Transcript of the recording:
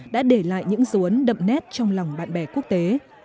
đã để lại những rốn đậm nét trong lòng bạn bè quốc tế